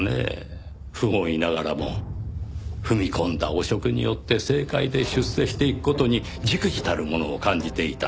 不本意ながらも踏み込んだ汚職によって政界で出世していく事に忸怩たるものを感じていた。